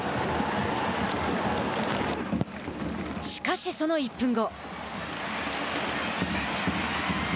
しかし、その１分後。